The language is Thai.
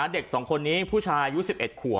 เด็ก๒คนนี้ผู้ชายอายุ๑๑ขวบ